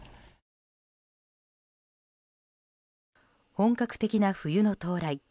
本格的な冬の到来。